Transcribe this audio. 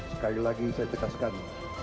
sekali lagi saya tegaskan